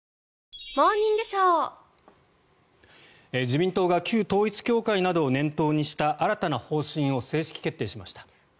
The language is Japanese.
自民党が旧統一教会などを念頭にした新たな方針を正式決定しました。